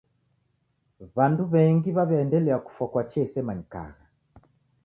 W'andu w'engi w'aw'iaendelia kufwa kwa chia isemanyikagha.